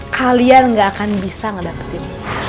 kalian gak akan bisa ngedapetin